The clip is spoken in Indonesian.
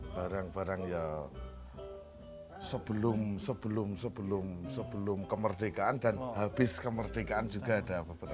barang barang ya sebelum sebelum kemerdekaan dan habis kemerdekaan juga ada beberapa